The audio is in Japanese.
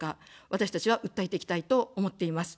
私たちは訴えていきたいと思っています。